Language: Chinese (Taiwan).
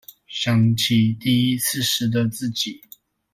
想起第一次時的自己